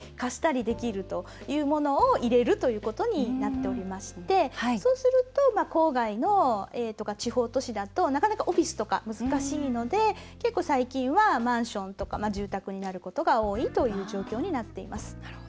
基本的には、その立地で売れたり貸したりできるというものを入れるということになっていましてそうすると郊外の地方都市だとなかなかオフィスとか難しいので最近はマンションとか住宅になることが多いという状況になっています。